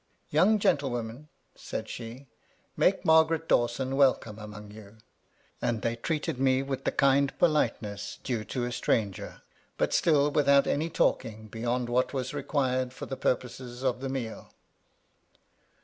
'* Young gentlewomen," said she, " make Margaret Dawson welcome among you;" and they treated me with the kind politeness due to a stranger, but still without any talking beyond what was required for the purposes of the meal.